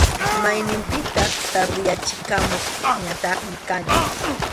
Mayninpiqa tardeyachikamuqñataq kani.